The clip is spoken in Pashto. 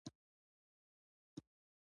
روژه د برکت او فضیله میاشت ده